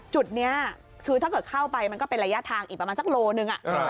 จุดเนี่ยถ้าเกิดเข้าไปมันก็เป็นระยะกันละยาทางอีกประมาณ๑ลูร์หนึ่งค่ะ